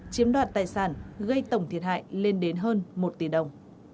chiếm đoạt tài sản gây tổng thiệt hại lên đến hơn